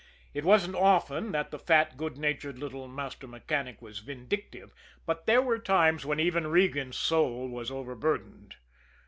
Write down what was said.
It wasn't often that the fat, good natured little master mechanic was vindictive, but there were times when even Regan's soul was overburdened.